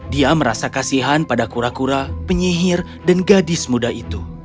dia merasa kasihan pada kura kura penyihir dan gadis muda itu